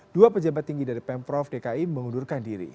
dua pejabat tinggi dari pemprov dki mengundurkan diri